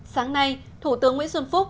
sáng nay thủ tướng nguyễn xuân phúc